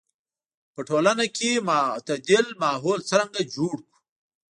په ټولنه کې معتدل ماحول څرنګه جوړ کړو.